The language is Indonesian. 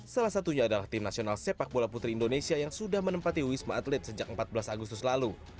salah satunya adalah tim nasional sepak bola putri indonesia yang sudah menempati wisma atlet sejak empat belas agustus lalu